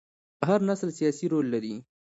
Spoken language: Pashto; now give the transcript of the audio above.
هر نسل سیاسي رول لري